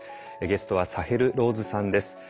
ゲストはサヘル・ローズさんです。